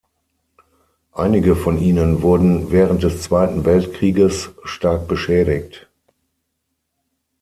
Einige von ihnen wurden während des Zweiten Weltkrieges stark beschädigt.